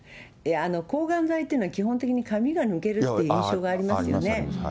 抗がん剤っていうのは、基本的に髪が抜けるって印象がありますよね。